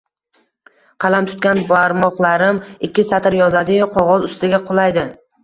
Qalam tutgan barmoqlarim, ikki satr yozadi-yu, qog`oz ustiga qulaydi